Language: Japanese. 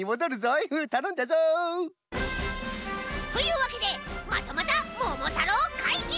たのんだぞ！というわけでまたまた「ももたろう」かいぎ！